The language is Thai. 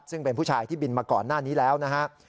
ซึ่งเป็นผู้ชายที่บินมาก่อนหน้านี้แล้วนะครับ